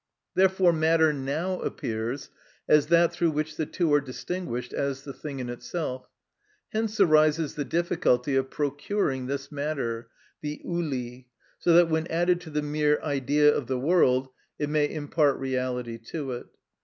Therefore matter now appears as that through which the two are distinguished, as the thing in itself. Hence arises the difficulty of procuring this matter, the ὑλη, so that when added to the mere idea of the world it may impart reality to it.